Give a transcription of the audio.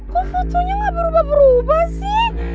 kok fotonya nggak berubah berubah sih